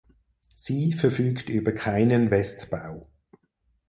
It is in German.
Sie verfügt über keinen Westbau.